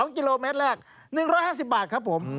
๒กิโลเมตรแรก๑๕๐บาทครับผม